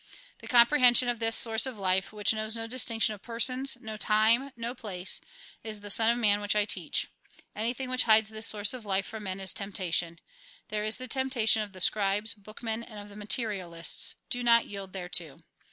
The comprehension of this source of life, which knows no distinction of persons, no time, no place, is the Son of Man which I teach. Anything which hides this source of life from men is temptation. There is the temptation of the scribes, bookmen, and of the materialists ; do not yield thereto.